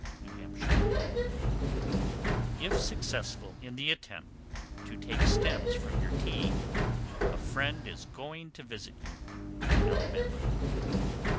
New Hampshire. 774. If successful in the attempt to take stems from your tea, a friend is going to visit you. _Alabama.